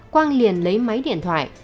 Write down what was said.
quang liền lấy máy điện thoại